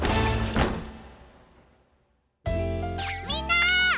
みんな！